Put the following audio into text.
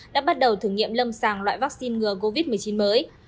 đã bắt đầu thử nghiệm lâm sàng loại vaccine ngừa covid một mươi chín mới